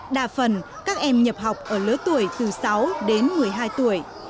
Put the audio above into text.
đa phần các em nhập học ở lứa tuổi từ sáu đến một mươi hai tuổi